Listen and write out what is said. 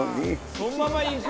そのまんまいく？